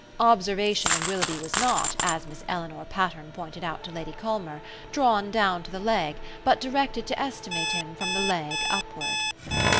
Observation of Willoughby was not, as Miss Eleanor Patterne pointed out to Lady Culmer, drawn down to the leg, but directed to estimate him from the leg upward.